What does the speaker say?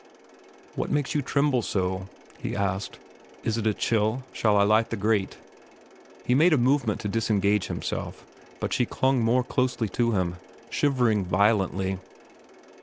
"What makes you tremble so?" he asked. "Is it a chill? Shall I light the grate?" He made a movement to disengage himself, but she clung more closely to him, shivering violently.